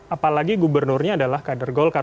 apalagi gubernurnya adalah kader golkar